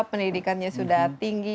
pendidikannya sudah tinggi